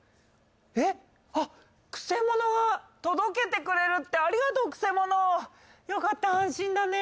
えっあっくせ者が届けてくれるってありがとうくせ者よかった安心だね